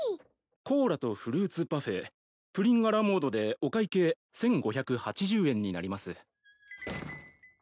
コーラとフルーツパフェプリンアラモードでお会計１，５８０円になります。